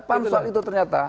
pansual itu ternyata